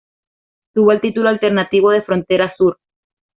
Tuvo el título alternativo de "Frontera Sur".